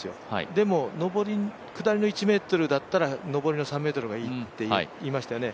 でも下りの１ｍだったら上りの３ｍがいいって言いましたよね、